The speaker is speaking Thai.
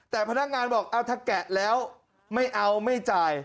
แต่พนักงานบอกเอาถ้าแกะแล้วไม่เอาไม่จ่าย